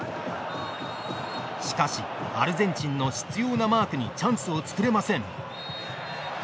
しかし、アルゼンチンの執ようなマークにチャンスをつくれません。